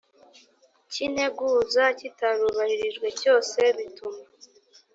cy integuza kitarubahirijwe cyose bituma